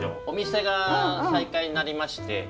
お店が再開になりまして。